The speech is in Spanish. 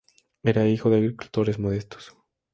Era hijo de agricultores modestos.